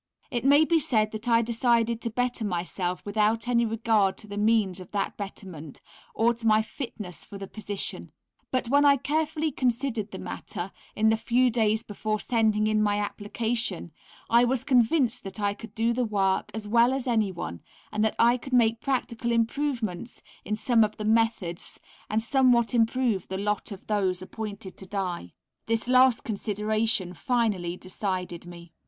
It may be said that I decided to better myself without any regard to the means of that betterment, or to my fitness for the position; but when I carefully considered the matter, in the few days before sending in my application, I was convinced that I could do the work as well as anyone, and that I could make practical improvements in some of the methods and somewhat improve the lot of those appointed to die. This last consideration finally decided me.